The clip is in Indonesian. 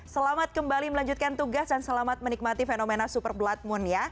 selamat kembali melanjutkan tugas dan selamat menikmati fenomena super blood moon ya